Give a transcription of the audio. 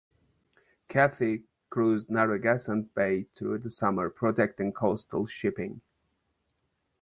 "Katy" cruised in Narragansett Bay through the summer protecting coastal shipping.